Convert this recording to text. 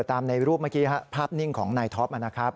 ตามในรูปเมื่อกี้ภาพนิ่งของนายท็อปนะครับ